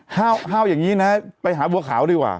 ห้าวอย่างนี้นะไปหาบัวขาวดีกว่า